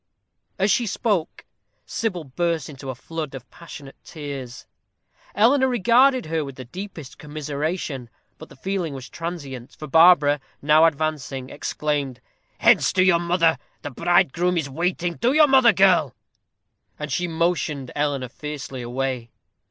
As she spoke, Sybil burst into a flood of passionate tears. Eleanor regarded her with the deepest commiseration; but the feeling was transient; for Barbara, now advancing, exclaimed: "Hence to your mother. The bridegroom is waiting: to your mother, girl!" And she motioned Eleanor fiercely away.